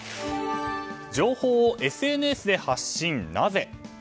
情報をＳＮＳで発信なぜ？